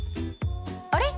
あれ？